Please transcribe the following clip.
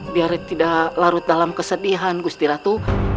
biar tidak larut dalam kesedihan gusti ratu